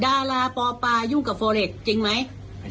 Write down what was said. ดาราปอปายุ่งกับโฟเล็กจริงไหม